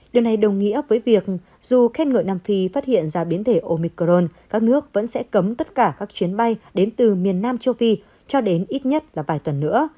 điều này đồng nghĩa với việc dù khen ngợi nam phi phát hiện ra biến thể omicron các nước vẫn sẽ cấm tất cả các chuyến bay đến từ miền nam châu phi cho đến ít nhất là vài tuần nữa